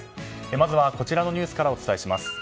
まずは、こちらのニュースからお伝えします。